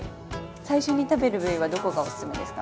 最初に食べる部位はどこがおすすめですか？